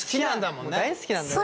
もう大好きなんだね。